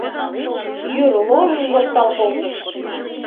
Йӱр лож-ж оптал колтыш.